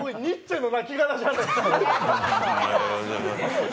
ニッチェのなきがらじゃないか。